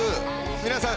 皆さん